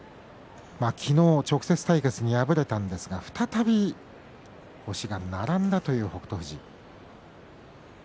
昨日、直接対決に敗れたんですが再び星が並んだという北勝富士。